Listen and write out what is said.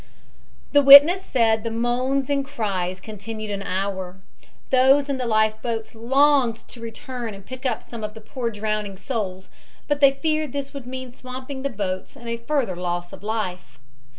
The witness said the moans and cries continued an hour. Those in the life boats longed to return and pick up some of the poor drowning souls, but they feared this would mean swamping the boats and a further loss of life.